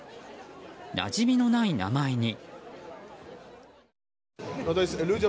なじみのない名前に。